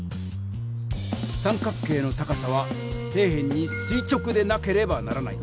三角形の高さは底辺にすい直でなければならない。